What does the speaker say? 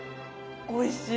おいしい。